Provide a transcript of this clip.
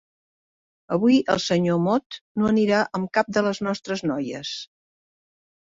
Avui el senyor Mot no anirà amb cap de les nostres noies.